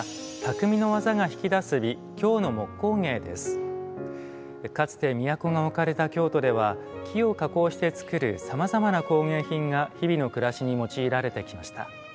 続いてはかつて都が置かれた京都では木を加工して作るさまざまな工芸品が日々の暮らしに用いられてきました。